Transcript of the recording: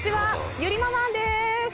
ゆりママんです。